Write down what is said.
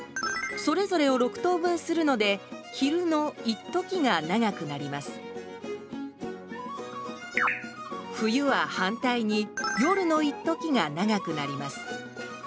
それぞれを６等分するので昼のいっときが長くなります冬は反対に夜のいっときが長くなります。